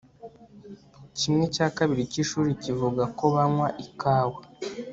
Kimwe cya kabiri cyishuri bavuga ko banywa ikawa